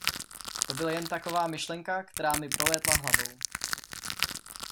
To byla jen taková myšlenka, která mi prolétla hlavou.